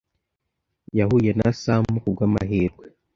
Yahuye na Sam kubwamahirwe.